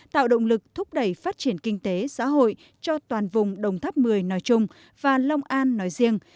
tạo động lực thúc đẩy phát triển kinh tế xã hội cho toàn vùng đồng tháp một mươi nói chung và long an nói riêng